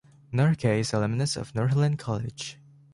Norgay is an alumnus of Northland College.